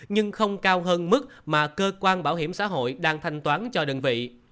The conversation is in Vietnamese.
nhưng không cao hơn mức mà cơ quan bảo hiểm xã hội đang thanh toán cho đơn vị